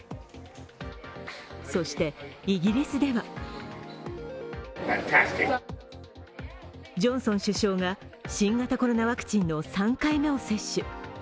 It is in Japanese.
そして、イギリスでは、ジョンソン首相が新型コロナワクチンの３回目を接種。